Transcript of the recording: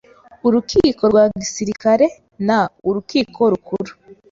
Urukiko rwa Gisirikare n Urukiko Rukuru